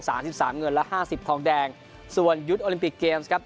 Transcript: สามสิบสามเงินและห้าสิบทองแดงส่วนยุทธ์โอลิมปิกเกมส์ครับ